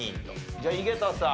じゃあ井桁さん。